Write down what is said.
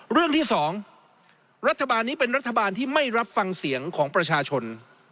เรื่องที่๒รัฐบาลนี้เป็นรัฐบาลที่ไม่รับฟังเสียงของประชาชน